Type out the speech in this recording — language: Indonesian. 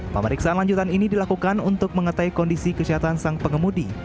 pemeriksaan lanjutan ini dilakukan untuk mengetahui kondisi kesehatan sang pengemudi